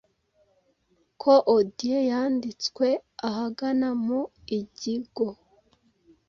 ko Odyey yanditwe ahagana mu Igiigo